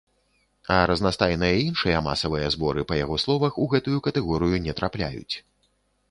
А разнастайныя іншыя масавыя зборы, па яго словах, у гэтую катэгорыю не трапляюць.